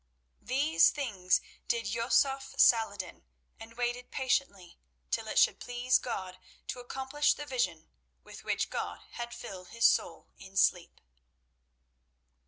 These things did Yusuf Salah ed din, and waited patiently till it should please God to accomplish the vision with which God had filled his soul in sleep.